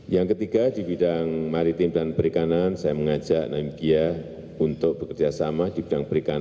yang ketiga di bidang maritim dan perikanan saya mengajak nomikia untuk bekerjasama di bidang perikanan